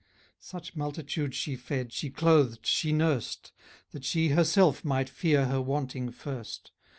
Such multitudes she fed, she clothed, she nurst, That she herself might fear her wanting first.